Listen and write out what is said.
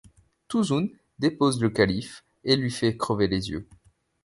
Tuzun dépose le calife et lui fait crever les yeux.